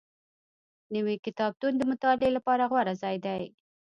نوی کتابتون د مطالعې لپاره غوره ځای دی